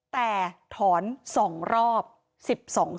แต่ถอน๒รอบ๑๒๓